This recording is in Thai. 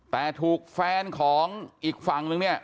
แต่ถูกแฟนของอีกฝั่งนึงเนี่ย